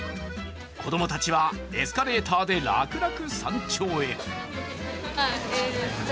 子供たちはエスカレーターで楽々山頂へ。